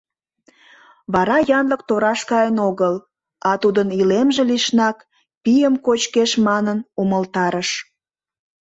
Вара янлык тораш каен огыл, а тудын илемже лишнак пийым кочкеш манын умылтарыш.